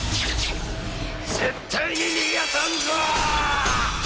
絶対に逃がさんぞ！